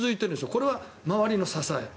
これは周りの支え。